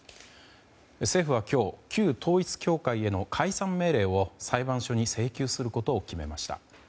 政府は今日旧統一教会への解散命令を裁判所に請求することを決めました。